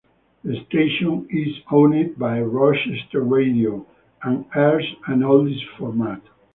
The station is owned by Rochester Radio and airs an oldies format.